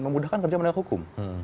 memudahkan kerja menegak hukum